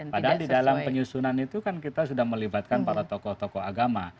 padahal di dalam penyusunan itu kan kita sudah melibatkan para tokoh tokoh agama